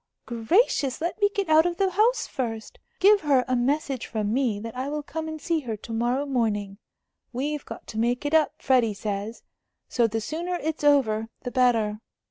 "Gracious! let me get out of the house first. Give her a message from me that I will come and see her to morrow morning. We've got to make it up, Freddie says; so the sooner it's over, the better.